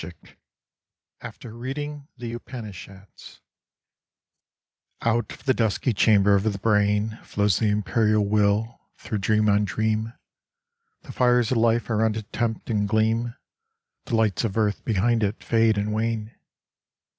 62 AFTER READING THE UPANISHADS OUT of the dusky chamber of the brain Flows the imperial Will through dream on dream : The fires of life around it tempt and gleam ; The lights of earth behind it fade and wane.